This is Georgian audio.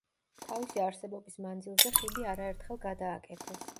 თავისი არსებობის მანძილზე ხიდი არაერთხელ გადააკეთეს.